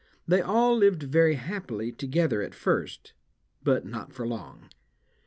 They all lived very happily together at first, but not for long.